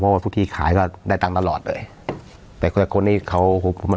เพราะว่าทุกที่ขายก็ได้ตังค์ตลอดเลยแต่คนนี้เขามัน